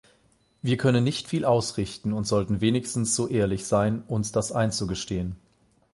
Wir können nicht viel ausrichten und sollten wenigstens so ehrlich sein, uns das einzugestehen.